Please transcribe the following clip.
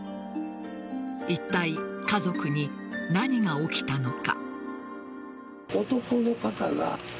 いったい家族に何が起きたのか。